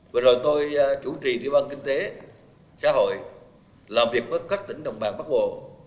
vừa rồi tôi chủ trì thủy ban kinh tế xã hội làm việc với các tỉnh đồng bàng bác bộ